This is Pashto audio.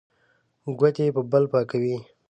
ګوتې په بل پاکوي.